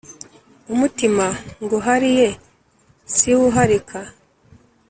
umutima nguhariye siwuharika